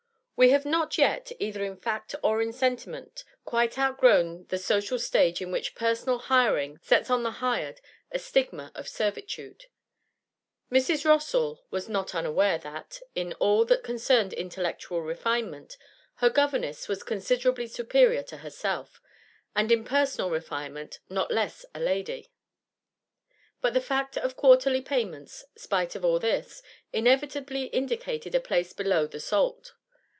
We have not yet, either in fact or in sentiment, quite outgrown the social stage in which personal hiring sets on the hired a stigma of servitude. Mrs. Rossall was not unaware that, in all that concerned intellectual refinement, her governess was considerably superior to herself, and in personal refinement not less a lady; but the fact of quarterly payments, spite of all this, inevitably indicated a place below the salt.